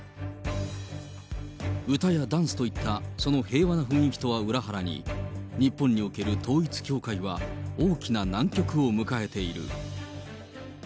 歌やダンスといったその平和な雰囲気とは裏腹に、日本における統一教会は大きな難局を迎えている。